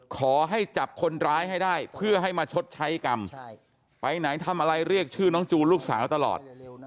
ขอให้จับคนร้ายให้ได้เพื่อให้มาชดใช้กรรมไปไหนทำอะไรเรียกชื่อน้องจูนลูกสาวตลอด